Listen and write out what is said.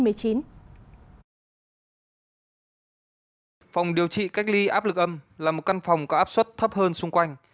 phòng điều trị cách ly áp lực âm là một căn phòng có áp suất thấp hơn xung quanh